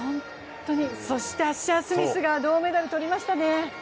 そしてアッシャー・スミスが銅メダル取りましたね。